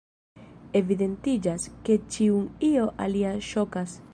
Evidentiĝas, ke ĉiun io alia ŝokas.